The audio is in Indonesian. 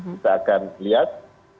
kita akan lihat